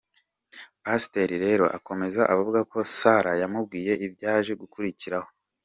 Pasteri rero akomeza avuga uko Salah yamubwiye ibyaje gukurikiraho.